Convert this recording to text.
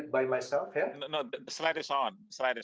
jadi grup pendapatan yang tinggi dan